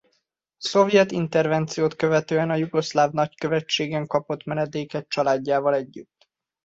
A szovjet intervenciót követően a jugoszláv nagykövetségen kapott menedéket családjával együtt.